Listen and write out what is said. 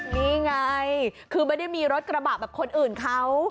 นี่ไงคือไม่ได้มีรถกระบะแบบคนอื่นเขา